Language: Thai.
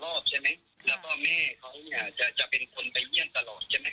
แล้วแม่เขาเนี่ยจะเป็นคนใบเฮี่ยนตลอดใช่ไหม